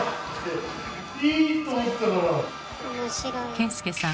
健介さん